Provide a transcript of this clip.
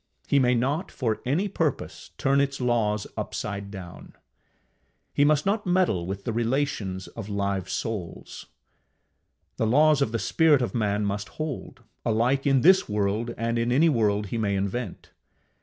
He may not, for any purpose, turn its laws upside down. He must not meddle with the relations of live souls. The laws of the spirit of man must hold, alike in this world and in any world he may invent.